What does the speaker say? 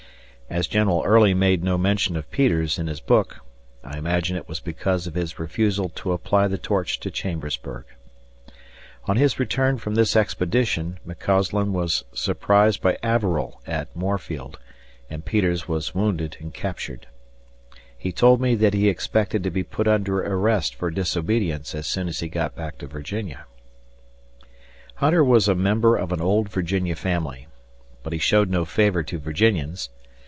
As General Early made no mention of Peters in his book, I imagine it was because of his refusal to apply the torch to Chambersburg. On his return from this expedition, McCausland was surprised by Averill at Moorefield, and Peters was wounded and captured. He told me that he had expected to be put under arrest for disobedience as soon as he got back to Virginia. Hunter was a member of an old Virginia family, but he showed no favor to Virginians.